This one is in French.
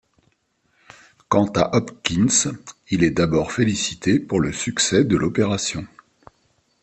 Quant à Hopkins, il est d'abord félicité pour le succès de l'opération.